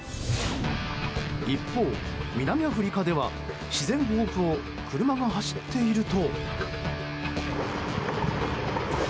一方、南アフリカでは自然保護区を車が走っていると。